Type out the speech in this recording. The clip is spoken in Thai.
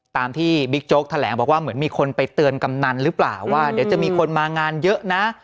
ตามที่บิ๊กโจ๊กแถลงบอกว่าเหมือนมีคนไปเตือนกำนันหรือเปล่าว่าเดี๋ยวจะมีคนมางานเยอะนะ